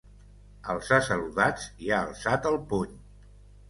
Els ha saludats i ha alçat el puny.